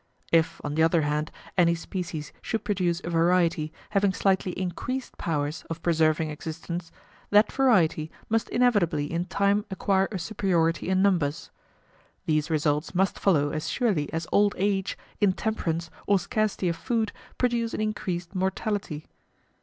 If, on the other hand, any species should produce a variety having slightly increased powers of preserving existence, that variety must inevitably in time acquire a superiority in numbers. These results must follow as surely as old age, intemperance, or scarcity of food produce an increased mortality.